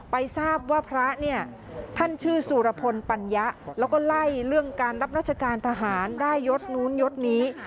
ไปทราบว่าพระเนี่ยท่านชื่อสุรพลปัญญาแล้วก็ไล่เรื่องการรับราชการทหารได้ยศนู้นยศนี้